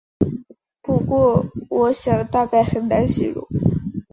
不过我想大概很难形容